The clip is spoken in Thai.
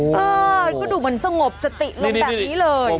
เออก็ดูเหมือนสงบสติลงแบบนี้เลย